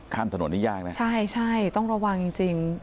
ข้ามถนนนี่ยากนะใช่ใช่ต้องระวังจริงจริง